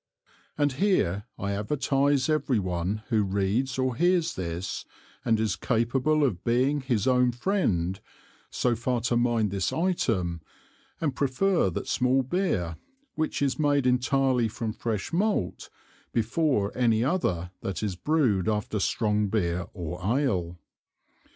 And here I advertise every one who reads or hears this, and is capable of being his own Friend, so far to mind this Item and prefer that small Beer which is made entirely from fresh Malt, before any other that is brewed after strong Beer or Ale.